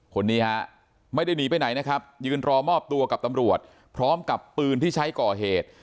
คนนี้ฮะไม่ได้หนีไปไหนนะครับยืนรอมอบตัวกับตำรวจพร้อมกับปืนที่ใช้ก่อเหตุ